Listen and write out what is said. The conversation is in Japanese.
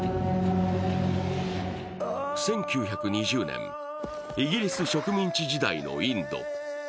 １９２０年、イギリス植民地時代のインド。